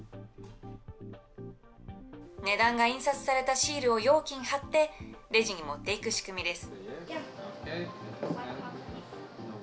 値段が印刷されたシールを容器に貼って、レジに持っていく仕組みです。